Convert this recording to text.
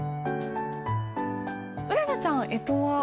うららちゃんえとは？